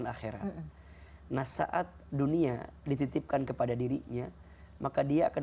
akhirnya kita harus jadah